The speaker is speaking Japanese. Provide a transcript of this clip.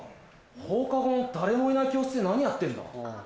放課後の誰もいない教室で何やってんだ？